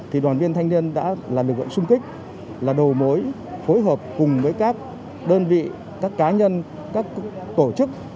thì đoàn viên thanh niên đã là lực lượng sung kích là đầu mối phối hợp cùng với các đơn vị các cá nhân các tổ chức